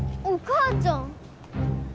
お母ちゃん。